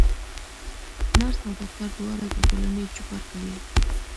نرس او ډاکټر دواړه د ټولني چوپړ کوي.